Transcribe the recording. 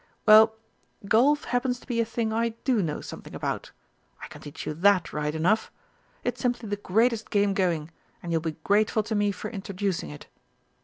Well, Golf happens to be a thing I do know something about. I can teach you that right enough. It's simply the greatest game going, and you'll be grateful to me for introducing it.